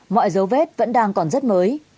mọi dấu vết vẫn đang còn rất mới